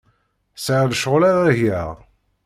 Sɛiɣ lecɣal ara geɣ.